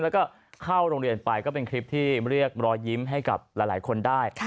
แล้วก็เข้าโรงเรียนไปก็เป็นคลิปที่เรียกรอยยิ้มให้กับหลายคนได้